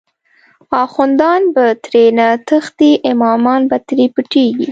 آخوندان به ترینه تښتی، امامان به تری پټیږی